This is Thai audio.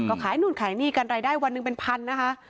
ก็ขายนู่นขายนี่กันรายได้วันหนึ่งเป็นพันนะคะ